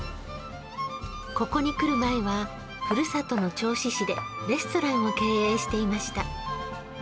ここに来る前はふるさとの銚子市でレストランを経営していました。